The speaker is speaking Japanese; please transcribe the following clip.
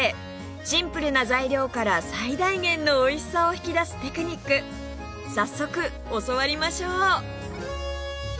シンプルな材料から最大限のおいしさを引き出すテクニック早速教わりましょう！